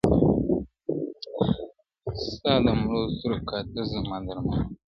ستا د مړو سترګو کاته زما درمان سي,